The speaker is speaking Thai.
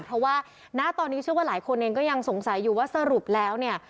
เพราะว่าณตอนนี้เชื่อว่าหลายคนเองก็ยังสงสัยอยู่ว่าสรุปแล้วเนี่ย